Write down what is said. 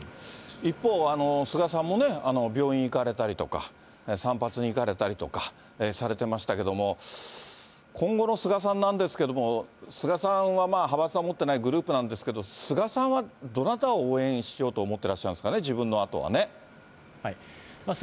一方、菅さんも病院に行かれたりとか、散髪に行かれたりとかされてましたけれども、今後の菅さんなんですけれども、菅さんは派閥は持っていないグループなんですけど、菅さんはどなたを応援しようと思ってらっしゃるんですかね、自分のあとはね。菅